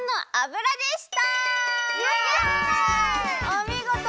おみごと！